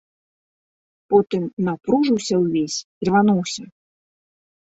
Потым напружыўся ўвесь, ірвануўся.